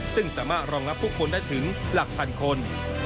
ซึ่งสามารถรองรับผู้คนได้ถึงหลักพันคน